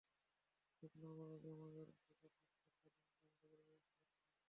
স্বপ্নার মরদেহ ময়নাতদন্তের জন্য স্যার সলিমুল্লাহ মেডিকেল কলেজ হাসপাতালে নেওয়া হয়েছে।